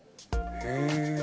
へえ。